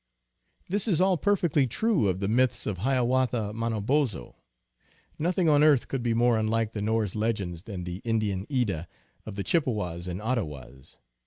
This is all perfectly true of the myths of Hiawat ha Manobozho. Nothing on earth could be more unlike the Norse legends than the " Indian Edda " of the Chippewas and Ottawas.